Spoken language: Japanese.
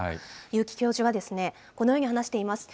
結城教授はこのように話しています。